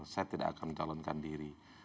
saya tidak akan mencalonkan diri